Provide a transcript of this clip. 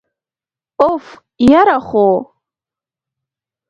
أف، یره خو!!